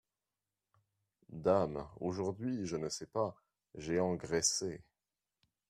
Dame ! aujourd’hui, je ne sais pas… j’ai engraissé…